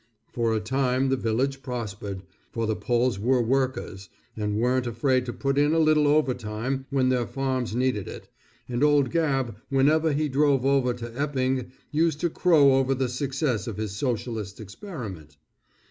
For a time, the village prospered, for the Poles were workers, and weren't afraid to put in a little overtime when their farms needed it, and old Gabb whenever he drove over to Epping used to crow over the success of his socialistic experiment.